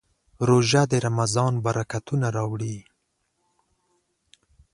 روژه د رمضان برکتونه راوړي.